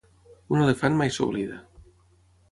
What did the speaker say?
Un elefant mai s'oblida.